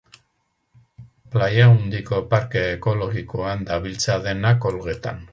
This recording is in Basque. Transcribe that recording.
Plaiaundiko parke ekologikoan dabiltza denak olgetan.